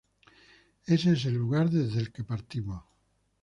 Ese es el lugar desde el que partimos.